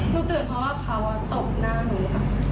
ตื่นเพราะว่าเขาตบหน้าหนูค่ะ